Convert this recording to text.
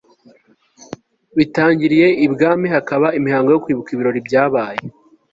bitangiriye ibwami, hakaba imihango yo kwibuka ibirori byabaye